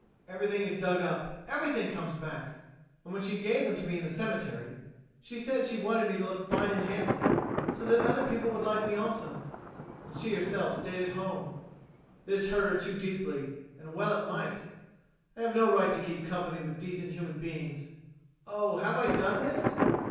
Everything is dug up; everything comes back! And when she gave them to me in the cemetery, she said she wanted me to look fine and handsome, so that other people would like me also And she herself stayed at home This hurt her too deeply, and well it might. I have no right to keep company with decent human beings. Oh, have I done this?